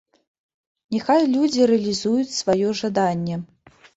Няхай людзі рэалізуюць сваё жаданне.